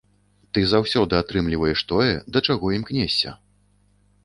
Ты заўсёды атрымліваеш тое, да чаго імкнешся.